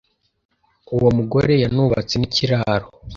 uwo mugore yanubatse n’ikiraro